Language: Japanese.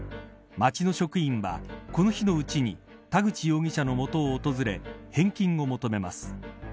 町の職員はこの日のうちに田口容疑者の元を訪れ返金を求めます。